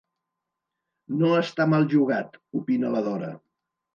No està mal jugat —opina la Dora—.